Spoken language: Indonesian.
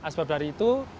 sebab dari itu